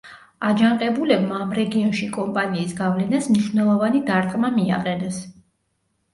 აჯანყებულებმა ამ რეგიონში კომპანიის გავლენას მნიშვნელოვანი დარტყმა მიაყენეს.